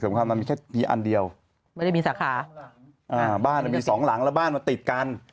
บ้านมี๒หลังและบ้านมันติดกัน